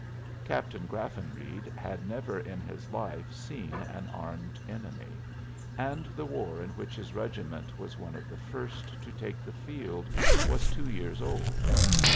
Captain Graffenreid had never in his life seen an armed enemy, and the war in which his regiment was one of the first to take the field was two years old.